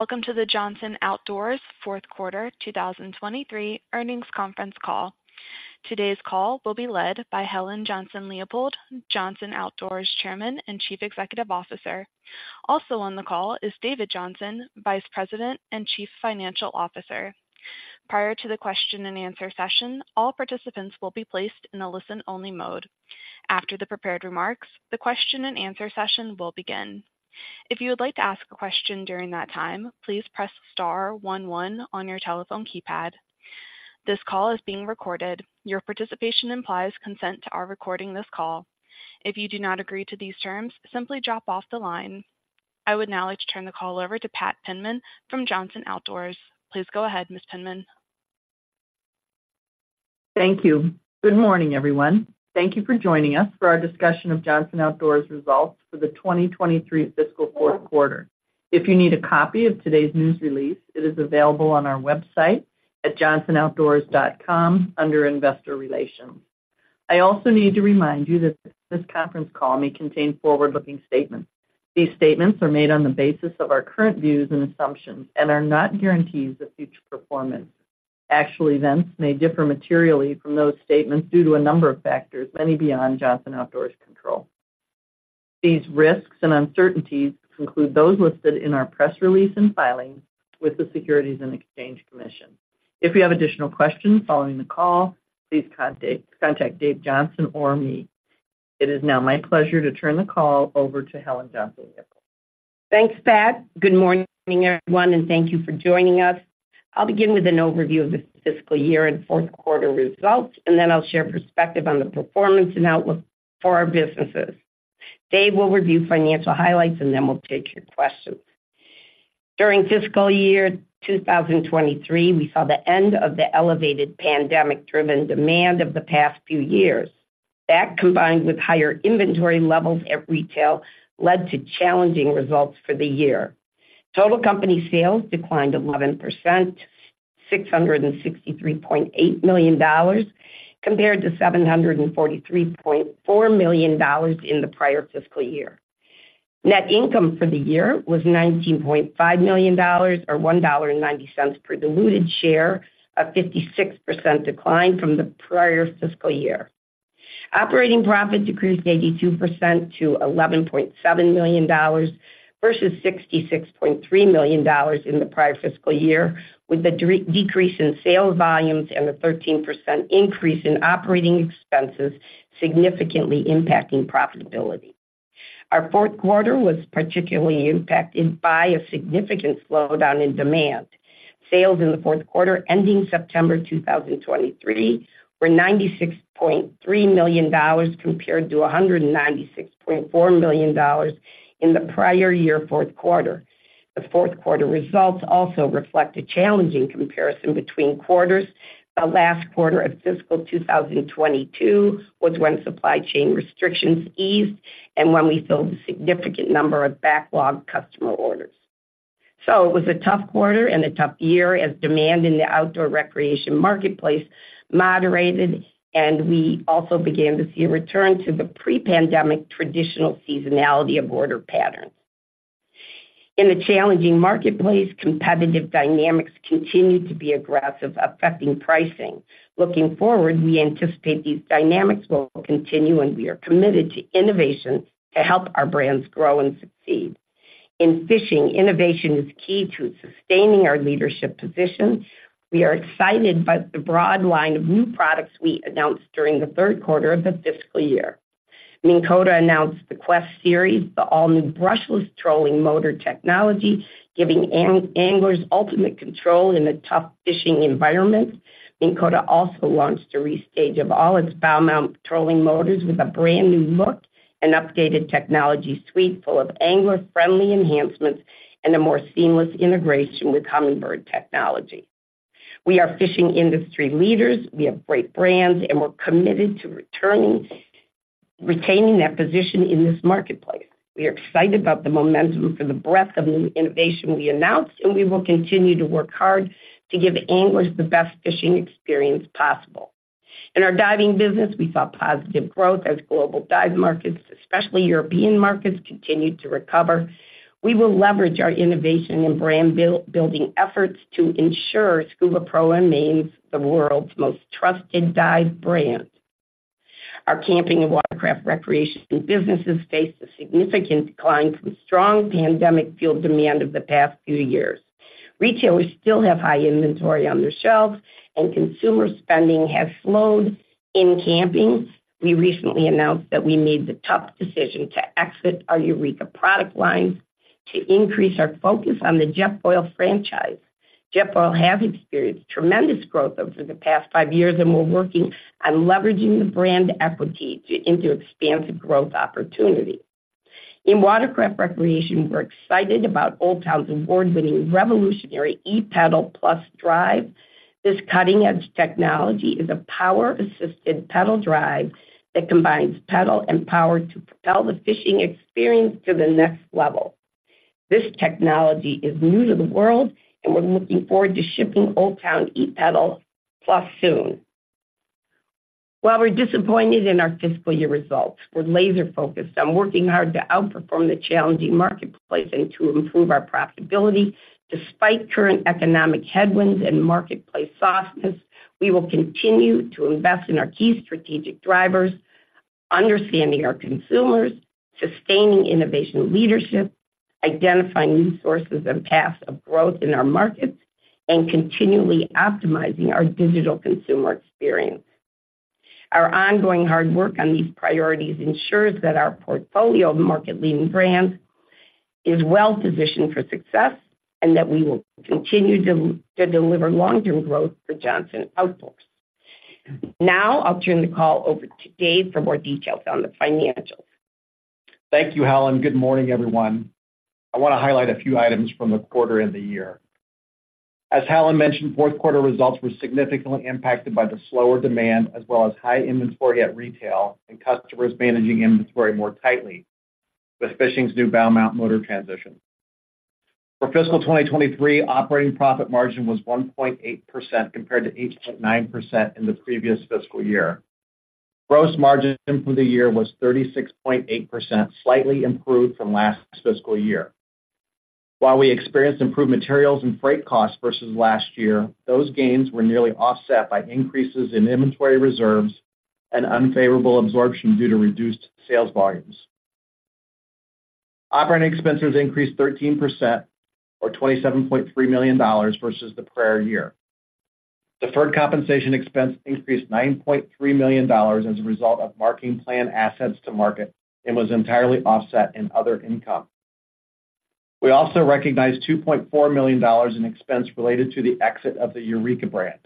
Welcome to the Johnson Outdoors fourth quarter 2023 earnings conference call. Today's call will be led by Helen Johnson-Leipold, Johnson Outdoors Chairman and Chief Executive Officer. Also on the call is David Johnson, Vice President and Chief Financial Officer. Prior to the question-and-answer session, all participants will be placed in a listen-only mode. After the prepared remarks, the question-and-answer session will begin. If you would like to ask a question during that time, please press star one, one on your telephone keypad. This call is being recorded. Your participation implies consent to our recording this call. If you do not agree to these terms, simply drop off the line. I would now like to turn the call over to Pat Penman from Johnson Outdoors. Please go ahead, Ms. Penman. Thank you. Good morning, everyone. Thank you for joining us for our discussion of Johnson Outdoors results for the 2023 fiscal fourth quarter. If you need a copy of today's news release, it is available on our website at johnsonoutdoors.com under Investor Relations. I also need to remind you that this conference call may contain forward-looking statements. These statements are made on the basis of our current views and assumptions and are not guarantees of future performance. Actual events may differ materially from those statements due to a number of factors, many beyond Johnson Outdoors' control. These risks and uncertainties include those listed in our press release and filings with the Securities and Exchange Commission. If you have additional questions following the call, please contact Dave Johnson or me. It is now my pleasure to turn the call over to Helen Johnson-Leipold. Thanks, Pat. Good morning, everyone, and thank you for joining us. I'll begin with an overview of the fiscal year and fourth quarter results, and then I'll share perspective on the performance and outlook for our businesses. Dave will review financial highlights, and then we'll take your questions. During fiscal year 2023, we saw the end of the elevated pandemic-driven demand of the past few years. That, combined with higher inventory levels at retail, led to challenging results for the year. Total company sales declined 11%, $663.8 million, compared to $743.4 million in the prior fiscal year. Net income for the year was $19.5 million, or $1.90 per diluted share, a 56% decline from the prior fiscal year. Operating profit decreased 82% to $11.7 million versus $66.3 million in the prior fiscal year, with the decrease in sales volumes and the 13% increase in operating expenses significantly impacting profitability. Our fourth quarter was particularly impacted by a significant slowdown in demand. Sales in the fourth quarter, ending September 2023, were $96.3 million, compared to $196.4 million in the prior year fourth quarter. The fourth quarter results also reflect a challenging comparison between quarters. The last quarter of fiscal 2022 was when supply chain restrictions eased and when we filled a significant number of backlog customer orders. So it was a tough quarter and a tough year as demand in the outdoor recreation marketplace moderated, and we also began to see a return to the pre-pandemic traditional seasonality of order patterns. In the challenging marketplace, competitive dynamics continued to be aggressive, affecting pricing. Looking forward, we anticipate these dynamics will continue, and we are committed to innovation to help our brands grow and succeed. In fishing, innovation is key to sustaining our leadership position. We are excited by the broad line of new products we announced during the third quarter of the fiscal year. Minn Kota announced the QUEST series, the all-new brushless trolling motor technology, giving anglers ultimate control in a tough fishing environment. Minn Kota also launched a restage of all its bow-mount trolling motors with a brand-new look and updated technology suite full of angler-friendly enhancements and a more seamless integration with Humminbird technology. We are fishing industry leaders. We have great brands, and we're committed to retaining that position in this marketplace. We are excited about the momentum for the breadth of new innovation we announced, and we will continue to work hard to give anglers the best fishing experience possible. In our diving business, we saw positive growth as global dive markets, especially European markets, continued to recover. We will leverage our innovation and brand building efforts to ensure SCUBAPRO remains the world's most trusted dive brand. Our camping and watercraft recreation businesses faced a significant decline from strong pandemic-fueled demand of the past few years. Retailers still have high inventory on their shelves, and consumer spending has slowed. In camping, we recently announced that we made the tough decision to exit our Eureka product line to increase our focus on the Jetboil franchise. Jetboil have experienced tremendous growth over the past five years, and we're working on leveraging the brand equity to into expansive growth opportunities. In watercraft recreation, we're excited about Old Town's award-winning revolutionary ePDL+ drive. This cutting-edge technology is a power-assisted pedal drive that combines pedal and power to propel the fishing experience to the next level. This technology is new to the world, and we're looking forward to shipping Old Town ePDL+ soon.... While we're disappointed in our fiscal year results, we're laser-focused on working hard to outperform the challenging marketplace and to improve our profitability. Despite current economic headwinds and marketplace softness, we will continue to invest in our key strategic drivers, understanding our consumers, sustaining innovation leadership, identifying new sources and paths of growth in our markets, and continually optimizing our digital consumer experience. Our ongoing hard work on these priorities ensures that our portfolio of market-leading brands is well-positioned for success, and that we will continue to deliver long-term growth for Johnson Outdoors. Now, I'll turn the call over to Dave for more details on the financials. Thank you, Helen. Good morning, everyone. I want to highlight a few items from the quarter and the year. As Helen mentioned, fourth quarter results were significantly impacted by the slower demand, as well as high inventory at retail and customers managing inventory more tightly, with fishing's new bow mount motor transition. For fiscal 2023, operating profit margin was 1.8%, compared to 8.9% in the previous fiscal year. Gross margin for the year was 36.8%, slightly improved from last fiscal year. While we experienced improved materials and freight costs versus last year, those gains were nearly offset by increases in inventory reserves and unfavorable absorption due to reduced sales volumes. Operating expenses increased 13%, or $27.3 million versus the prior year. Deferred compensation expense increased $9.3 million as a result of marking plan assets to market, and was entirely offset in other income. We also recognized $2.4 million in expense related to the exit of the Eureka brand.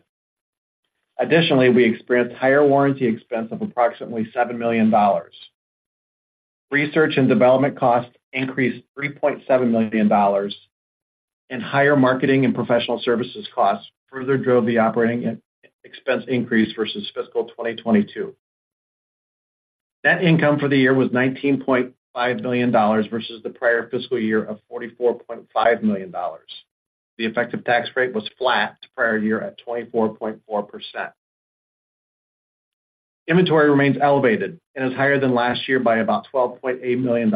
Additionally, we experienced higher warranty expense of approximately $7 million. Research and development costs increased $3.7 million, and higher marketing and professional services costs further drove the operating expense increase versus fiscal 2022. Net income for the year was $19.5 million versus the prior fiscal year of $44.5 million. The effective tax rate was flat to prior year at 24.4%. Inventory remains elevated and is higher than last year by about $12.8 million.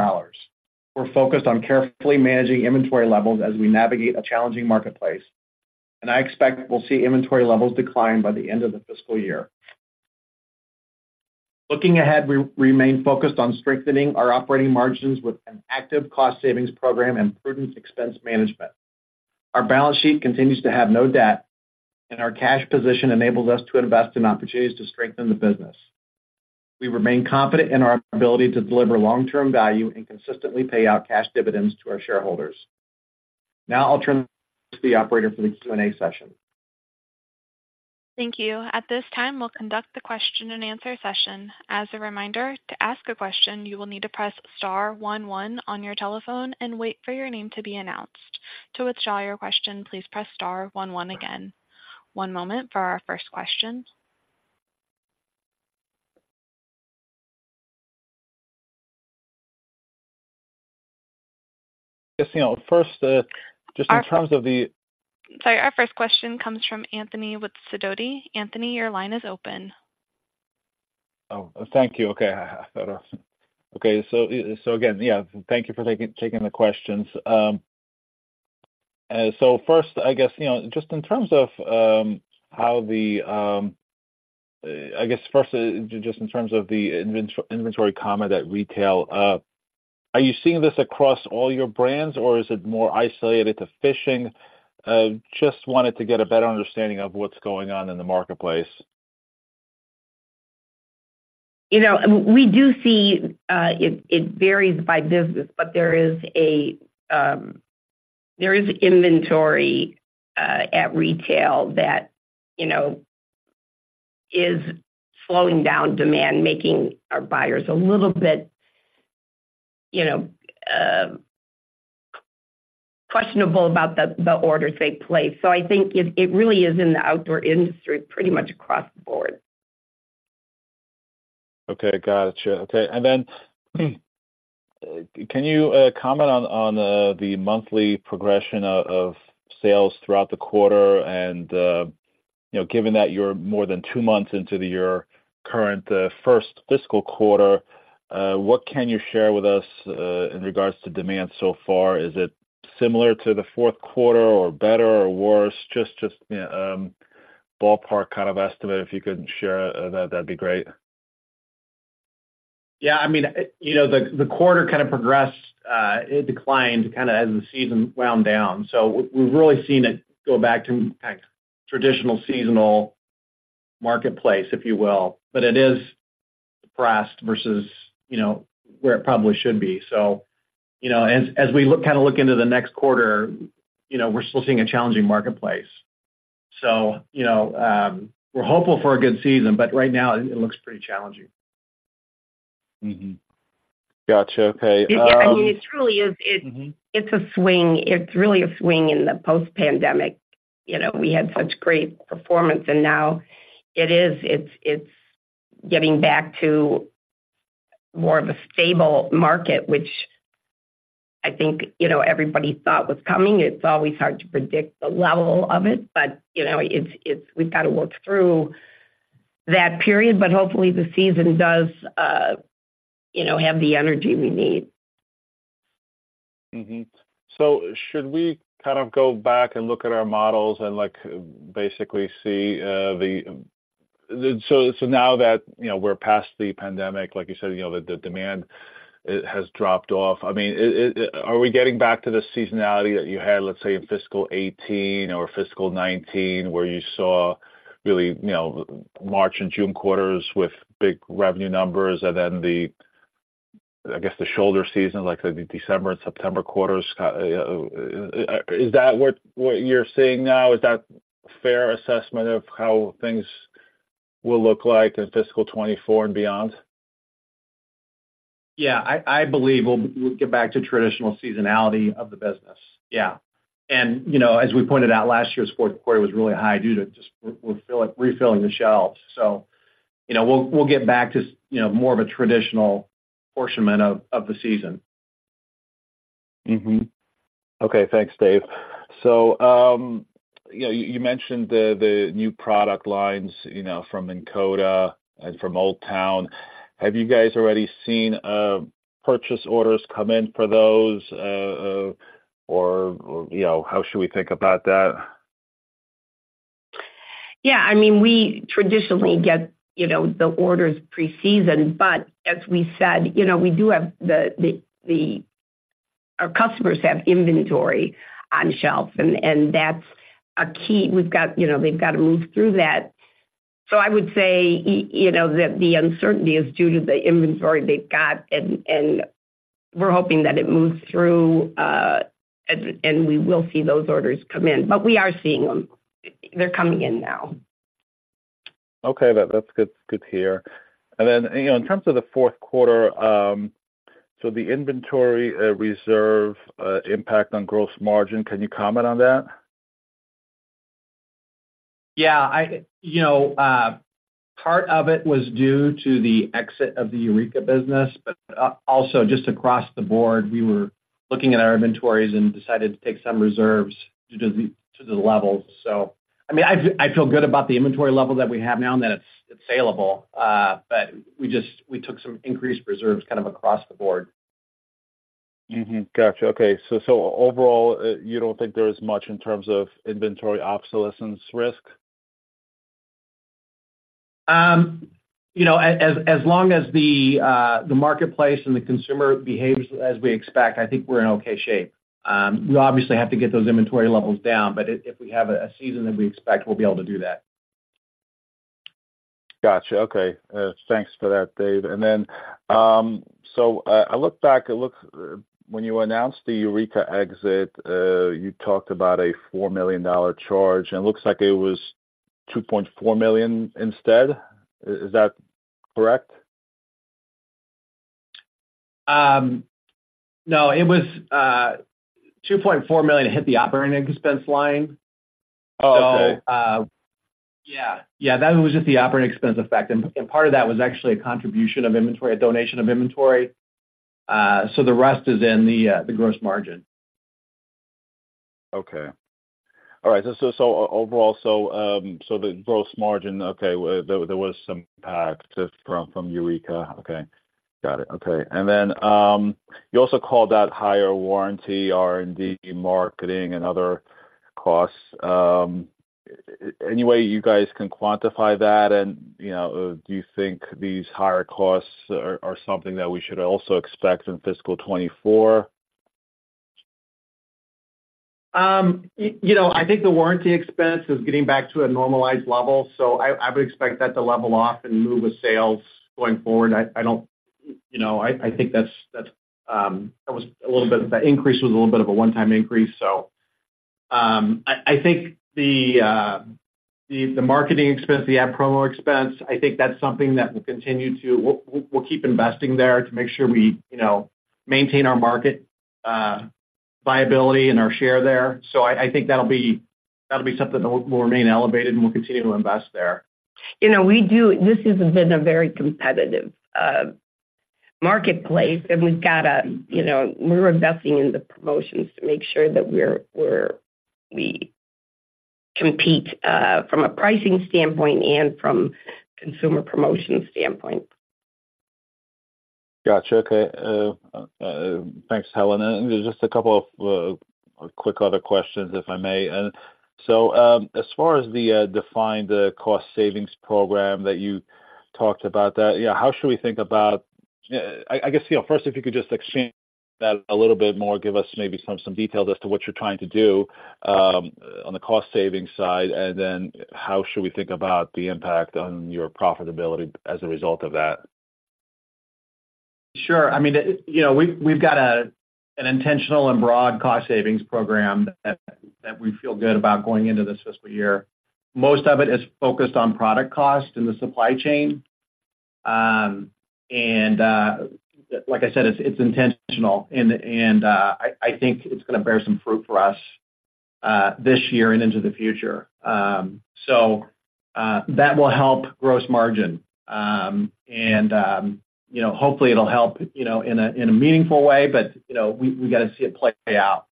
We're focused on carefully managing inventory levels as we navigate a challenging marketplace, and I expect we'll see inventory levels decline by the end of the fiscal year. Looking ahead, we remain focused on strengthening our operating margins with an active cost savings program and prudent expense management. Our balance sheet continues to have no debt, and our cash position enables us to invest in opportunities to strengthen the business. We remain confident in our ability to deliver long-term value and consistently pay out cash dividends to our shareholders. Now I'll turn to the operator for the Q&A session. Thank you. At this time, we'll conduct the question-and-answer session. As a reminder, to ask a question, you will need to press star one, one on your telephone and wait for your name to be announced. To withdraw your question, please press star one, one again. One moment for our first question. Just, you know, first, just in terms of the... Sorry, our first question comes from Anthony with Sidoti. Anthony, your line is open. Oh, thank you. Okay, awesome. Okay, so, so again, yeah, thank you for taking the questions. I guess first, just in terms of the inventory at retail, are you seeing this across all your brands, or is it more isolated to fishing? Just wanted to get a better understanding of what's going on in the marketplace. You know, we do see it varies by business, but there is inventory at retail that, you know, is slowing down demand, making our buyers a little bit, you know, questionable about the orders they place. So I think it really is in the outdoor industry, pretty much across the board. Okay, got it. Sure. Okay, and then, can you comment on the monthly progression of sales throughout the quarter? And you know, given that you're more than two months into your current first fiscal quarter, what can you share with us in regard to demand so far? Is it similar to the fourth quarter, or better or worse? Just yeah, ballpark kind of estimate, if you could share that, that'd be great. Yeah, I mean, you know, the quarter kind of progressed, it declined kind of as the season wound down. So we've really seen it go back to kind of traditional seasonal marketplace, if you will. But it is depressed versus, you know, where it probably should be. So, you know, as we kind of look into the next quarter, you know, we're still seeing a challenging marketplace. So, you know, we're hopeful for a good season, but right now it looks pretty challenging. Mm-hmm. Gotcha. Okay... Yeah, I mean, it truly is. Mm-hmm. It's a swing. It's really a swing in the post-pandemic. You know, we had such great performance, and now it's getting back to more of a stable market, which I think, you know, everybody thought was coming. It's always hard to predict the level of it, but, you know, we've got to work through that period, but hopefully the season does, you know, have the energy we need. Mm-hmm. So should we kind of go back and look at our models and, like, basically see, so now that, you know, we're past the pandemic, like you said, you know, the demand, it has dropped off. I mean, are we getting back to the seasonality that you had, let's say, in fiscal 2018 or fiscal 2019, where you saw really, you know, March and June quarters with big revenue numbers and then the, I guess, the shoulder season, like the December and September quarters? Is that what you're seeing now? Is that a fair assessment of how things will look like in fiscal 2024 and beyond? Yeah. I believe we'll get back to traditional seasonality of the business. Yeah. And, you know, as we pointed out, last year's fourth quarter was really high due to just refilling the shelves. So, you know, we'll get back to, you know, more of a traditional apportionment of the season. Mm-hmm. Okay. Thanks, Dave. So, you know, you mentioned the new product lines, you know, from Minn Kota and from Old Town. Have you guys already seen purchase orders come in for those, or, you know, how should we think about that? Yeah. I mean, we traditionally get, you know, the orders preseason, but as we said, you know, we do have the Our customers have inventory on shelves, and that's a key. We've got, you know, they've got to move through that. So I would say, you know, that the uncertainty is due to the inventory they've got, and we're hoping that it moves through, and we will see those orders come in. But we are seeing them. They're coming in now. Okay, that's good, good to hear. And then, you know, in terms of the fourth quarter, so the inventory reserve impact on gross margin, can you comment on that? Yeah, you know, part of it was due to the exit of the Eureka business, but also just across the board, we were looking at our inventories and decided to take some reserves due to the levels. So, I mean, I feel good about the inventory level that we have now and that it's salable. But we just took some increased reserves kind of across the board. Mm-hmm. Gotcha. Okay. So, overall, you don't think there is much in terms of inventory obsolescence risk? You know, as long as the marketplace and the consumer behaves as we expect, I think we're in okay shape. We obviously have to get those inventory levels down, but if we have a season that we expect, we'll be able to do that. Gotcha. Okay. Thanks for that, Dave. And then, so, I looked back. It looks like when you announced the Eureka exit, you talked about a $4 million charge, and it looks like it was $2.4 million instead. Is that correct? No, it was $2.4 million hit the operating expense line. Oh, okay. Yeah. Yeah, that was just the operating expense effect, and part of that was actually a contribution of inventory, a donation of inventory. So the rest is in the gross margin. Okay. All right. So overall, the gross margin, okay, there was some impact from Eureka. Okay. Got it. Okay. And then, you also called out higher warranty, R&D, marketing, and other costs. Any way you guys can quantify that? And, you know, do you think these higher costs are something that we should also expect in fiscal 2024? You know, I think the warranty expense is getting back to a normalized level, so I would expect that to level off and move with sales going forward. You know, I think that's that was a little bit- that increase was a little bit of a one-time increase, so. I think the marketing expense, the ad promo expense, I think that's something that will continue to... We'll keep investing there to make sure we, you know, maintain our market viability and our share there. So, I think that'll be something that will remain elevated, and we'll continue to invest there. You know, we do. This has been a very competitive marketplace, and we've got to, you know, we're investing in the promotions to make sure that we compete from a pricing standpoint and from a consumer promotion standpoint. Gotcha. Okay. Thanks, Helen. And there's just a couple of quick other questions, if I may. And so, as far as the defined cost savings program that you talked about, how should we think about... I guess, you know, first, if you could just expand that a little bit more, give us maybe some details as to what you're trying to do on the cost savings side, and then how should we think about the impact on your profitability as a result of that? Sure. I mean, you know, we've got an intentional and broad cost savings program that we feel good about going into this fiscal year. Most of it is focused on product cost in the supply chain. And, like I said, it's intentional, and I think it's gonna bear some fruit for us, this year and into the future. So, that will help gross margin. And, you know, hopefully, it'll help, you know, in a meaningful way, but, you know, we got to see it play out.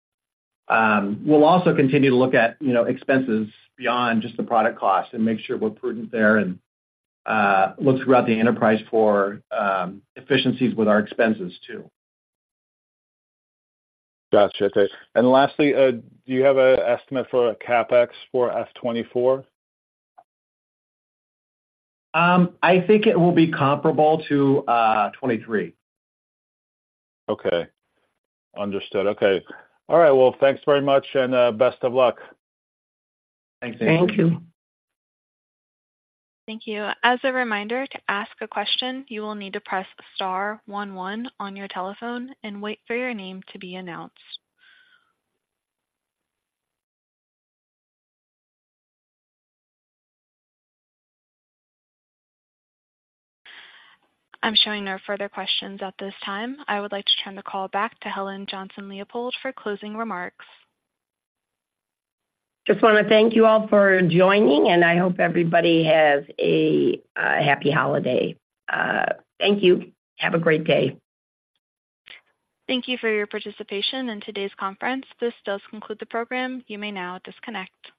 We'll also continue to look at, you know, expenses beyond just the product cost and make sure we're prudent there and look throughout the enterprise for efficiencies with our expenses too. Gotcha. Okay. And lastly, do you have an estimate for CapEx for FY 2024? I think it will be comparable to 2023. Okay. Understood. Okay. All right. Well, thanks very much, and best of luck. Thanks. Thank you. Thank you. As a reminder, to ask a question, you will need to press star one, one on your telephone and wait for your name to be announced. I'm showing no further questions at this time. I would like to turn the call back to Helen Johnson-Leipold for closing remarks. Just wanna thank you all for joining, and I hope everybody has a happy holiday. Thank you. Have a great day. Thank you for your participation in today's conference. This does conclude the program. You may now disconnect.